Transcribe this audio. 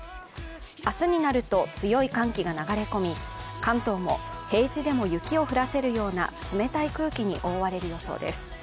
明日になると強い寒気が流れ込み関東も平地でも雪を降らせるような冷たい空気に覆われる予想です。